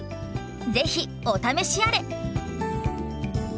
ぜひお試しあれ！